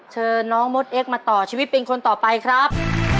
เชิญน้องมดเอ็กซมาต่อชีวิตเป็นคนต่อไปครับ